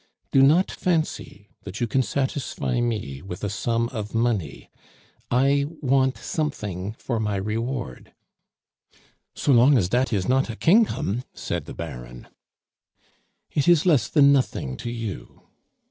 Do not fancy that you can satisfy me with a sum of money; I want something for my reward " "So long as dat is not a kingtom!" said the Baron. "It is less than nothing to you."